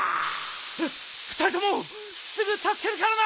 ふたりともすぐたすけるからな！